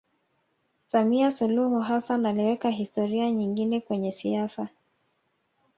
samia suluhu hassan aliweka historia nyingine kwenye siasa